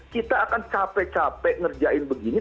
kita akan capek capek ngerjain begini